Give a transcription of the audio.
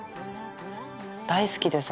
大好きです